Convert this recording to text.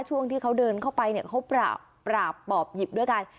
ช่วงที่เขาเดินเข้าไปเนี่ยเขาปราบปราบปอบหยิบด้วยกัน